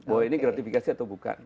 bahwa ini gratifikasi atau bukan